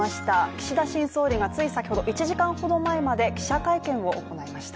岸田新総理がつい先ほど、１時間ほど前まで記者会見を行いました。